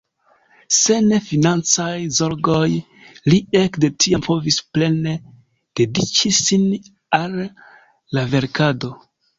Sen financaj zorgoj li ekde tiam povis plene dediĉi sin al la verkado.